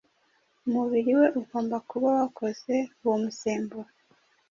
umubiri we ugomba kuba wakoze uwo musemburo